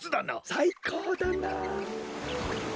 さいこうだなあ。